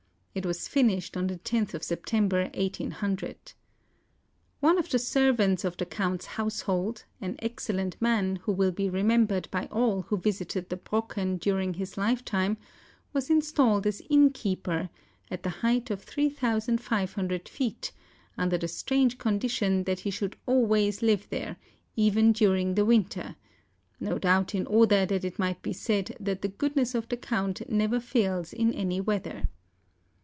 It was finished on the 10th of September, 1800. One of the servants of the Count's household, an excellent man, who will be remembered by all who visited the Brocken during his lifetime, was installed as innkeeper, at the height of 3500 feet, under the strange condition that he should always live there, even during the winter,— no doubt in order that it might be said that tlie goodness of the Count never fails in any weather.